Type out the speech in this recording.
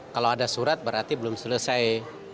kalau ada surat berarti belum selesai